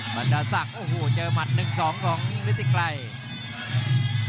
บรรดาศักดิ์โอ้โหเจอหมัด๑๒ของฤติไกร